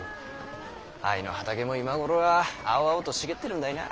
藍の畑も今頃は青々と茂ってるんだいなあ。